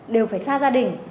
đều phải xa gia đình